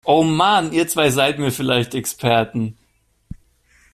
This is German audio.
Oh Mann, ihr zwei seid mir vielleicht Experten!